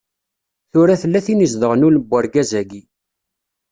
Tura tella tin izedɣen ul n urgaz-agi.